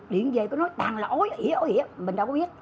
điểm về cứ nói tàn là ói ói ói mình đâu có biết